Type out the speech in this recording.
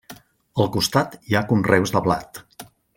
Al costat, hi ha conreus de blat.